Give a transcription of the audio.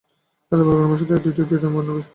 এতবড় গ্রামে শুধু এই দুটি প্রিয়তমা বান্ধবী।